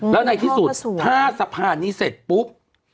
แล้วในที่สุดถ้าสะพานนี้เสร็จปุ๊บ